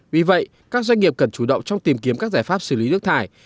vì vậy các doanh nghiệp cần chủ động trong tìm kiếm các giải pháp xử lý nước thải